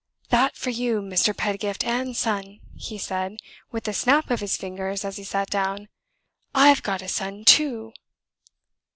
"That for you, Mr. Pedgift and Son!" he said, with a snap of his fingers as he sat down. "I've got a son too!"